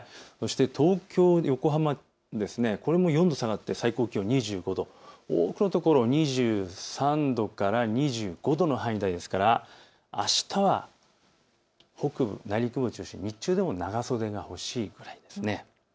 東京、横浜４度下がって最高気温２５度、多くの所、２３度から２５度の範囲ですからあしたも北部、内陸部を中心に長袖が欲しいくらいです。